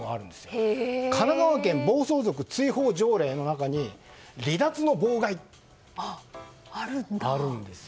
神奈川県暴走族追放条例の中に離脱の妨害というのがあるんです。